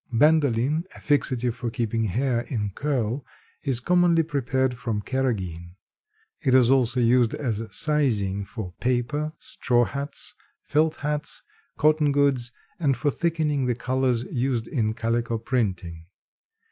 Bandoline, a fixative for keeping hair in curl is commonly prepared from carrageen. It is also used as sizing for paper, straw hats, felt hats, cotton goods and for thickening the colors used in calico printing.